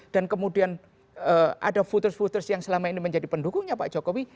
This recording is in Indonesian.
kemudian ada voters voters yang selama ini menjadi pendukungnya pak jokowi